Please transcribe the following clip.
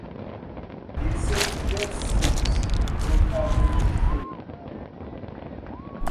E se vivêssemos no carbonífero?